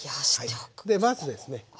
でまずですね。